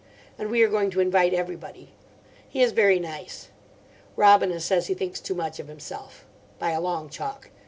And we are going to invite everybody. He is very nice. Robina says he thinks too much of himself. By a long chalk.